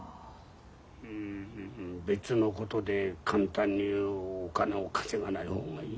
うん別のことで簡単にお金を稼がない方がいい。